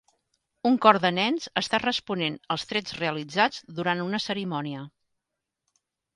Un cor de nens està responent als trets realitzats durant una cerimònia.